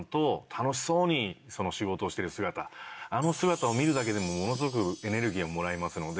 ・あの姿を見るだけでもものすごくエネルギーがもらえますので。